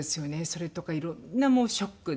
それとかいろんなショックで。